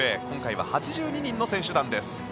今回は８２人の選手団です。